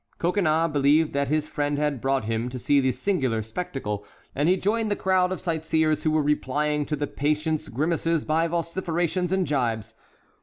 Coconnas believed that his friend had brought him to see this singular spectacle, and he joined the crowd of sightseers who were replying to the patient's grimaces by vociferations and gibes.